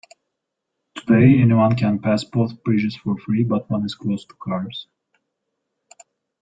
Today, anyone can pass both bridges for free, but one is closed to cars.